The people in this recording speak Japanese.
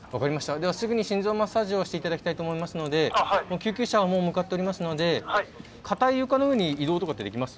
ではすぐに心臓マッサージをして頂きたいと思いますのでもう救急車はもう向かっておりますので硬い床の上に移動とかってできます？